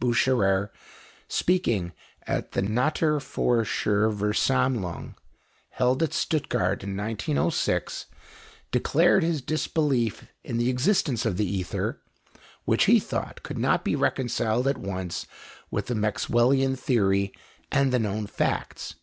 Bucherer, speaking at the Naturforscherversammlung, held at Stuttgart in 1906, declared his disbelief in the existence of the ether, which he thought could not be reconciled at once with the Maxwellian theory and the known facts.